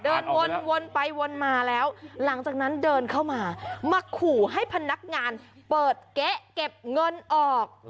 เดินวนไปวนมาแล้วหลังจากนั้นเดินเข้ามามาขู่ให้พนักงานเปิดเก๊ะเก็บเงินออก